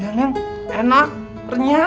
ya neng enak renyah